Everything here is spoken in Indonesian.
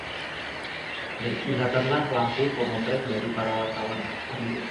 berkilatanlah lampu pemotret dari para wartawan